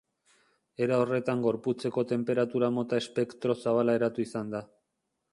Era horretan gorputzeko tenperatura mota espektro zabala eratu izan da.